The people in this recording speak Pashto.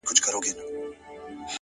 بغاوت دی سرکښي ده; زندگي د مستۍ نوم دی